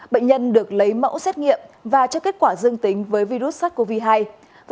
bệnh nhân được lấy mẫu xét nghiệm và cho kết quả dương tính với virus sars cov hai